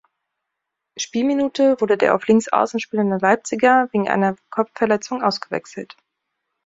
Spielminute wurde der auf Linksaußen spielende Leipziger wegen einer Kopfverletzung ausgewechselt.